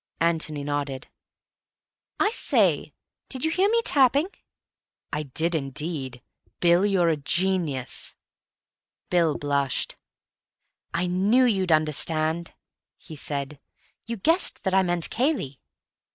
Antony nodded. "I say, did you hear me tapping?" "I did, indeed. Bill, you're a genius." Bill blushed. "I knew you'd understand," he said. "You guessed that I meant Cayley?"